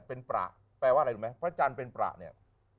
เป็นประแปลว่าอะไรรู้ไหมพระจันทร์เป็นประเนี่ย